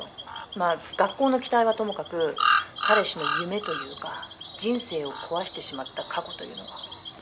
「まあ学校の期待はともかく彼氏の夢というか人生を壊してしまった過去というのは」